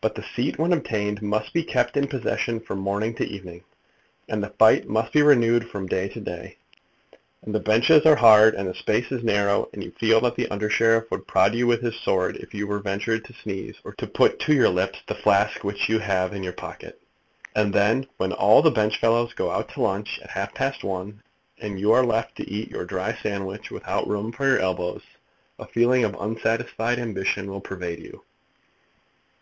But the seat when obtained must be kept in possession from morning to evening, and the fight must be renewed from day to day. And the benches are hard, and the space is narrow, and you feel that the under sheriff would prod you with his sword if you ventured to sneeze, or to put to your lips the flask which you have in your pocket. And then, when all the benchfellows go out to lunch at half past one, and you are left to eat your dry sandwich without room for your elbows, a feeling of unsatisfied ambition will pervade you.